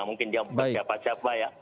mungkin dia siapa siapa ya